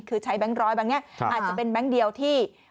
คือใช้แบงค์ร้อยแบงค์นี้อาจจะเป็นแบงค์เดียวที่